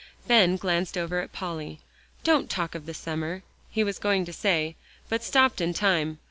Ben glanced over at Polly. "Don't talk of the summer," he was going to say, but stopped in time.